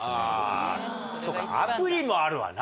そっかアプリもあるわな。